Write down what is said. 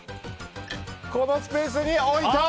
このスペースに置いた！